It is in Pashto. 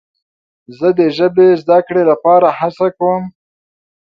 زه د ژبې زده کړې لپاره هڅه کوم.